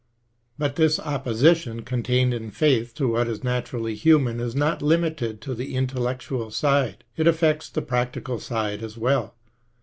But this opposition contained in faith to what is naturally human is not limited to the intellectual side, it affects the practical side as well.